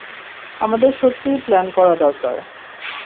আমাদের সত্যিই প্ল্যান করা দরকার।